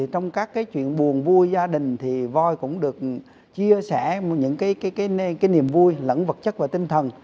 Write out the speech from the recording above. trong các cái chuyện buồn vui gia đình thì voi cũng được chia sẻ những cái niềm vui lẫn vật chất và tinh thần